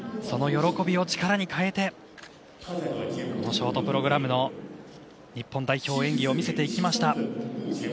その喜びを力に変えてこのショートプログラムの日本代表の演技を見せていきました。